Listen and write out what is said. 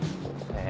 え？